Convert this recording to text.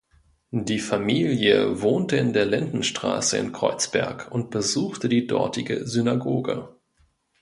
Die Familie wohnte in der Lindenstraße in Kreuzberg und besuchte die dortige Synagoge.